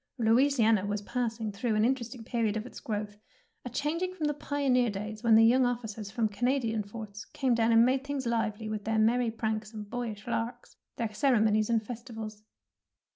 Louisiana was passing through an interesting period of its growth, a changing from the pioneer days when the young officers from Canadian forts came down and made things lively with their merry pranks and boyish larks, their ceremonies and festivals.